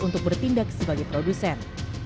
untuk bertindak sebagai produser